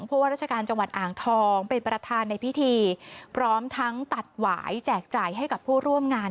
เพราะว่าราชการจังหวัดอ่างทองเป็นประธานในพิธีพร้อมทั้งตัดหวายแจกจ่ายให้กับผู้ร่วมงาน